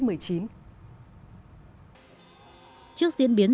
trước diễn biến dịch bệnh